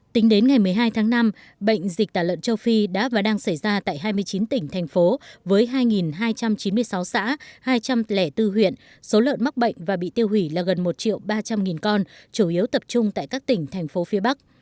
tính đến ngày một mươi hai tháng năm bệnh dịch tả lợn châu phi đã và đang xảy ra tại hai mươi chín tỉnh thành phố với hai hai trăm chín mươi sáu xã hai trăm linh bốn huyện số lợn mắc bệnh và bị tiêu hủy là gần một triệu ba trăm linh con chủ yếu tập trung tại các tỉnh thành phố phía bắc